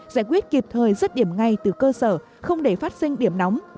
giải quyết kịp thời rất điểm ngay từ cơ sở không để phát sinh điểm nóng